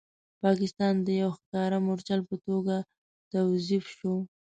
پاکستان د یو ښکاره مورچل په توګه توظیف شو.